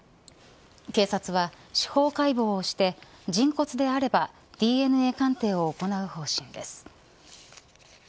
警察は司法解剖をして人骨であればＤＮＡ鑑定を行う方針です。